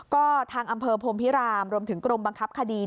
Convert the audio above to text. ก็ทางอำเภอพรมพิรามรวมถึงกรมบังคับคดี